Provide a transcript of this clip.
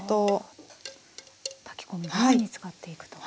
炊き込みご飯に使っていくと。